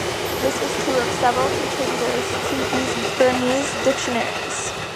This is true of several contributors to these Burmese dictionaries.